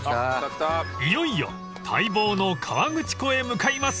［いよいよ待望の河口湖へ向かいます］